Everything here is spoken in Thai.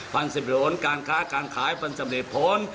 พันธุ์สำเร็จผลการค้าการขายพันธุ์สำเร็จผล